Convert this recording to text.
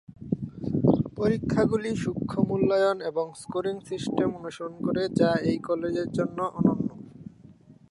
পরীক্ষাগুলি সূক্ষ্ম মূল্যায়ন এবং স্কোরিং সিস্টেম অনুসরণ করে যা এই কলেজের জন্য অনন্য।